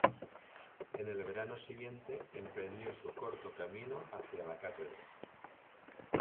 En el verano siguiente emprendió su corto camino hacia la cátedra.